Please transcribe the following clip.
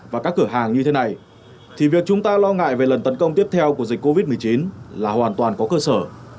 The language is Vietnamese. và các cửa hàng như thế này thì việc chúng ta lo ngại về lần tấn công tiếp theo của dịch covid một mươi chín là hoàn toàn có cơ sở